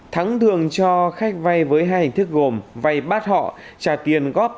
thắng thường cho khách vay với hai hình thức gồm vay bát họ trả tiền góp